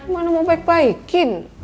mana mau baik baikin